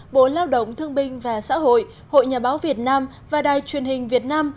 bộ lao động thương binh và xã hội hội nhà báo việt nam và đài truyền hình việt nam